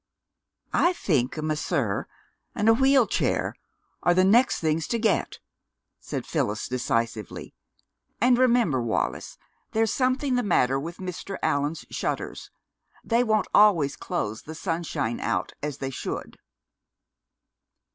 "I think a masseur and a wheel chair are the next things to get," said Phyllis decisively. "And remember, Wallis, there's something the matter with Mr. Allan's shutters. They won't always close the sunshine out as they should."